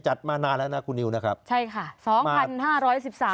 มานานแล้วนะคุณนิวนะครับใช่ค่ะสองพันห้าร้อยสิบสาม